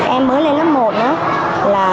em mới lên lớp một nữa